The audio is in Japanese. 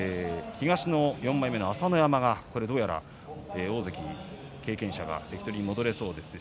東の４枚目の朝乃山大関経験者が関取に戻れそうです。